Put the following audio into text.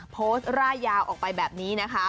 ร่ายยาวออกไปแบบนี้นะคะ